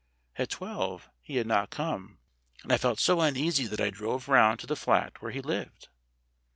At twelve he had not come, and I felt so uneasy that I drove round to the flat where he lived.